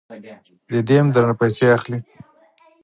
ددې هم درنه پیسې اخلي.